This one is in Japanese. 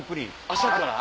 朝から？